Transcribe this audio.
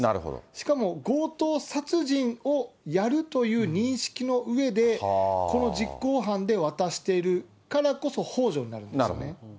しかも強盗殺人をやるという認識のうえで、この実行犯で渡しているからこそほう助になるんですね。